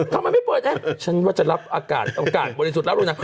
ทำไมไม่เปิดฉันว่าจะรับอากาศบริสุทธิ์แล้วนะ